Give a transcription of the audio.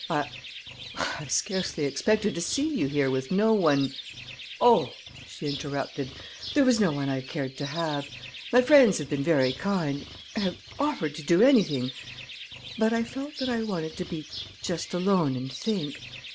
"I I scarcely expected to see you here with no one " "Oh," she interrupted, "there was no one I cared to have. My friends have been very kind have offered to do anything but I felt that I wanted to be just alone and think.